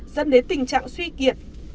dẫn đến tình trạng suy kiệt